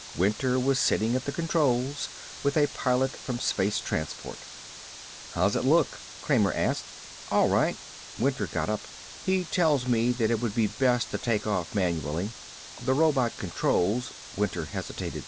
Winter was sitting at the controls with a Pilot from Space transport. "How's it look?" Kramer asked. "All right." Winter got up. "He tells me that it would be best to take off manually. The robot controls " Winter hesitated.